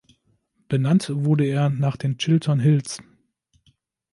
Benannt wurde er nach den Chiltern Hills.